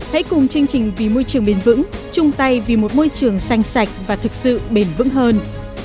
hãy cùng chương trình vì môi trường bền vững chung tay vì một môi trường xanh sạch và thực sự bền vững hơn